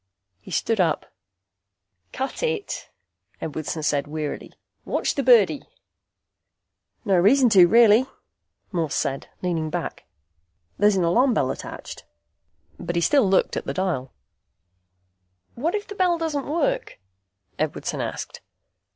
He stood up. "Cut it," Edwardson said wearily. "Watch the birdie." "No reason to, really," Morse said, leaning back. "There's an alarm bell attached." But he looked at the dial. "What if the bell doesn't work?" Edwardson asked.